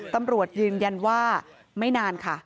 ตำรวจยืนยันว่าไม่นานค่ะ